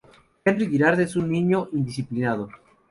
Henri Girard es un niño indisciplinado.